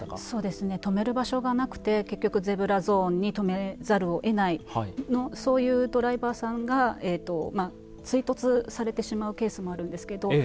そうですね止める場所がなくて結局ゼブラゾーンに止めざるをえないそういうドライバーさんが追突されてしまうケースもあるんですけど。